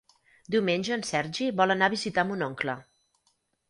Diumenge en Sergi vol anar a visitar mon oncle.